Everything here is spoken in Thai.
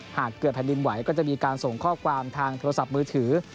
หากเกิดแผ่นดินไหวก็จะมีการส่งข้อความทางโทรศัพท์มือถือ